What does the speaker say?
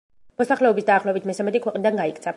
მოსახლეობის დაახლოებით მესამედი ქვეყნიდან გაიქცა.